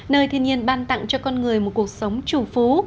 nơi thiên nhiên ban tặng cho con người một cuộc sống chủ phú